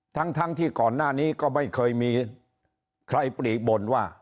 ทั้งที่ก่อนหน้านี้ก็ไม่เคยมีใครปลีบ่นว่า